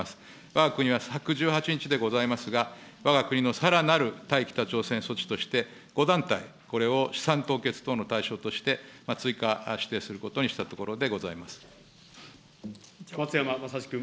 わが国は１１８日でございますが、わが国のさらなる対北朝鮮措置として、５団体、これを資産凍結等の対象として追加指定するところにしたところで松山政司君。